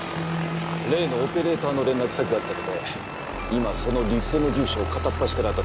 例のオペレーターの連絡先があったので今そのリストの住所を片っ端から当たっています。